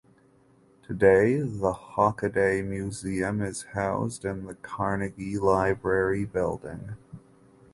Today the Hockaday Museum is housed in the Carnegie Library Building.